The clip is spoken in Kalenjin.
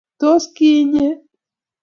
tos ki inye?